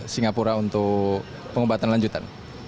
singapura untuk pengobatan lanjutan